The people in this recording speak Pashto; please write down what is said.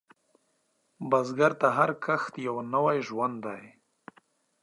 بزګر ته هر کښت یو نوی ژوند دی